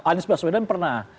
anies baswedan pernah